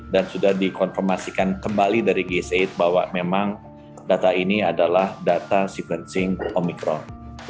dan sudah dikonformasikan kembali dari gisaid bahwa memang data ini adalah data sequencing omikron